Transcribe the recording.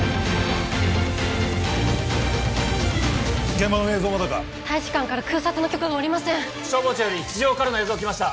現場の映像まだか大使館から空撮の許可が下りません消防庁より地上からの映像来ました